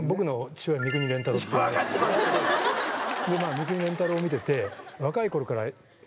三國連太郎見てて。